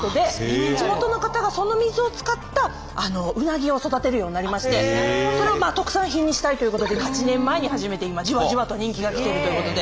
地元の方がその水を使ったうなぎを育てるようになりましてそれを特産品にしたいということで８年前に始めて今じわじわと人気がきてるということで。